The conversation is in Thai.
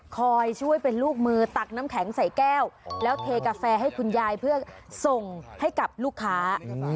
คอยช่วยเป็นลูกมือตักน้ำแข็งใส่แก้วแล้วเทกาแฟให้คุณยายเพื่อส่งให้กับลูกค้า